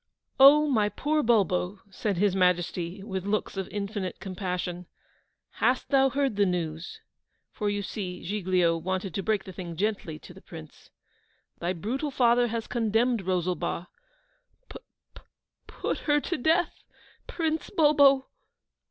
'Oh, my poor Bulbo,' said His Majesty, with looks of infinite compassion, 'hast thou heard the news?' (for you see Giglio wanted to break the thing gently to the Prince), 'thy brutal father has condemned Rosalba p p p ut her to death, P p p prince Bulbo!